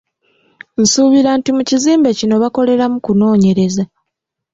Nsuubira nti mu kizimbe kino bakoleramu kunoonyereza.